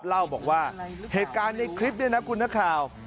เล่าบอกว่าเหตุการณ์ในคลิปนี้นะคุณนักข่าว